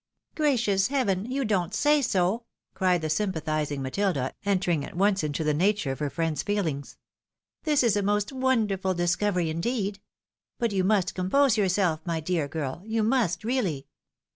Gkacious heaven ! you don't say so," cried the sympathis ing Matilda, entering at once into the nature of her friend's feelings. " This is a most wonderful discovery, indeed ! But you must compose yourself, my dear girl, you must, really.